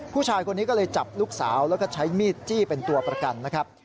ผู้ชายคนนี้ก็เลยจับลูกสาวแล้วก็ใช้มีดจี้เป็นตัวประกันนะครับ